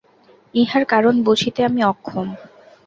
ইহার কারণ বুঝিতে আমি অক্ষম।